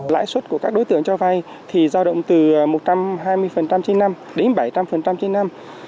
lãi suất của các đối tượng cho vay thì giao động từ một trăm hai mươi trên năm đến bảy trăm linh trên năm